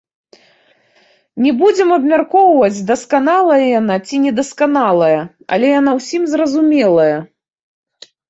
Не будзем абмяркоўваць, дасканалая яна ці недасканалая, але яна ўсім зразумелая.